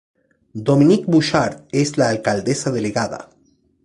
Dominique Bouchard es la alcaldesa delegada.